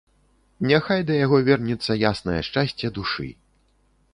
Няхай да яго вернецца яснае шчасце душы.